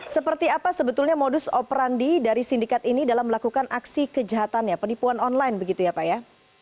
seperti apa sebetulnya modus operandi dari sindikat ini dalam melakukan aksi kejahatannya penipuan online begitu ya pak ya